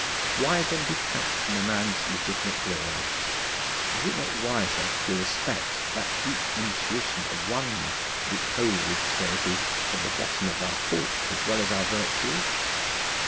Why then detract from a man's legitimate glory? Is it not wiser to respect 'that deep intuition of oneness,' which Coleridge says is 'at the bottom of our faults as well as our virtues?'